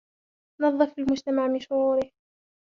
نظِّف المجتمع من شروره.